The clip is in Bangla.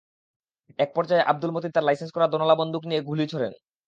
একপর্যায়ে আবদুল মতিন তাঁর লাইসেন্স করা দোনলা বন্দুক দিয়ে গুলি ছোড়েন।